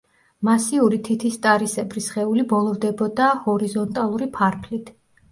მასიური თითისტარისებრი სხეული ბოლოვდებოდა ჰორიზონტალური ფარფლით.